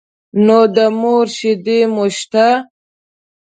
نو د مور شيدې مو شه.